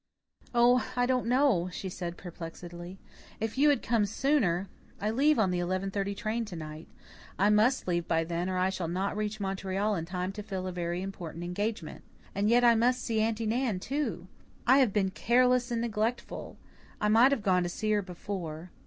"Oh, I don't know," she said perplexedly. "If you had come sooner I leave on the 11:30 train tonight. I MUST leave by then or I shall not reach Montreal in time to fill a very important engagement. And yet I must see Aunty Nan, too. I have been careless and neglectful. I might have gone to see her before.